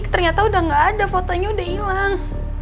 ternyata udah gak ada fotonya udah hilang